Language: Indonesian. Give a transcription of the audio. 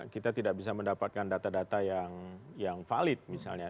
kita tidak bisa mendapatkan data data yang valid misalnya